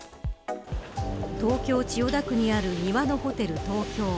東京、千代田区にある庭のホテル東京。